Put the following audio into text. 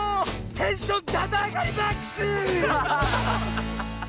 テンションだだあがりマックス！